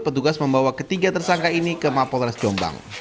petugas membawa ketiga tersangka ini ke mapolres jombang